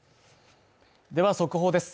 では速報です。